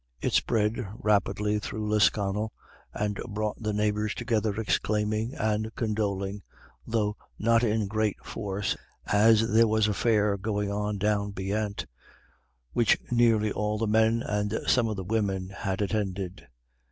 It spread rapidly through Lisconnel, and brought the neighbors together exclaiming and condoling, though not in great force, as there was a fair going on down beyant, which nearly all the men and some of the women had attended.